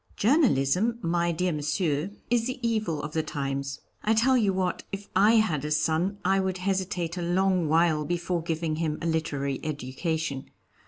_) Journalism, my dear Monsieur, is the evil of the times. I tell you what, if I had a son, I would hesitate a long while before giving him a literary education.